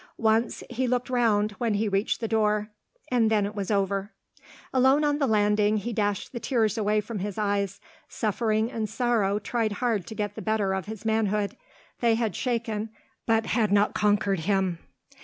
Once, he looked round, when he reached the door and then it was over. Alone on the landing, he dashed the tears away from his eyes. Suffering and sorrow tried hard to get the better of his manhood: they had shaken, but had not conquered him.